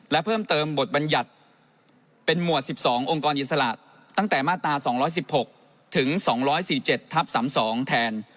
และเพิ่มเติมบทบัญญัติเป็นหมวด๑๒องค์กรอิสระตั้งแต่มาตรา๒๑๖ถึง๒๔๗ทับ๓๒แทน